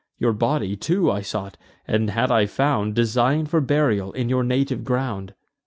Your body too I sought, and, had I found, Design'd for burial in your native ground."